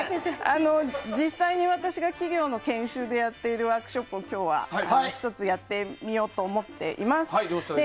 実際に私が企業の研修でやっているワークショップを今日は１つやってみようと思っています。